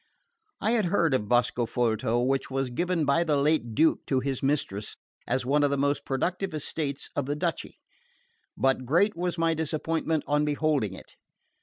I had heard of Boscofolto, which was given by the late Duke to his mistress, as one of the most productive estates of the duchy; but great was my disappointment on beholding it.